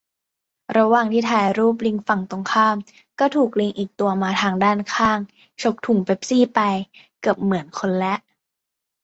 ระหว่างที่ถ่ายรูปลิงฝั่งตรงข้าม ก็ถูกลิงอีกตัวมาทางด้านข้าง ฉกถุงเป็ปซี่ไป เกือบเหมือนคนละ